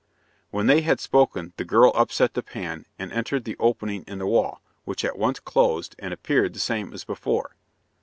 When they had spoken the girl upset the pan, and entered the opening in the wall, which at once closed, and appeared the same as before.